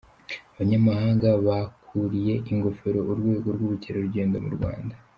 Abanyamahanga bakuriye ingofero urwego rw’ubukerarugendo mu Rwanda.